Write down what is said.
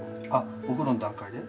お風呂の段階で？